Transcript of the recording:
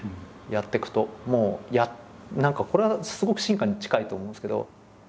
もう何かこれはすごく進化に近いと思うんですけど。